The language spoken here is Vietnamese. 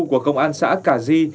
của công an xã cà di